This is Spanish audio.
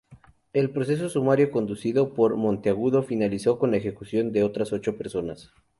El proceso sumario conducido por Monteagudo finalizó con la ejecución de otras ocho personas.